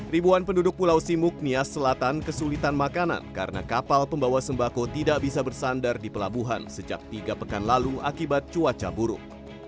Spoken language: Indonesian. ribuan penduduk pulau simuk nias selatan kesulitan makanan karena kapal pembawa sembako tidak bisa bersandar di pelabuhan sejak tiga pekan lalu akibat cuaca buruk